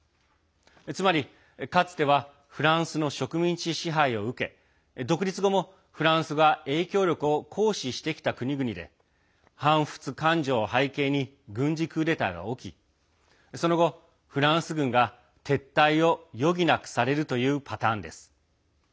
つまり、かつてはフランスの植民地支配を受け独立後もフランスが影響力を行使してきた国々で反仏感情を背景に軍事クーデターが起きその後、フランス軍が撤退を余儀なくされるというパターンです。